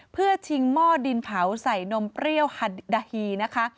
เพื่อชิงหม้อดินเผาใส่นมเปรี้ยวฮาดาฮีนะคะ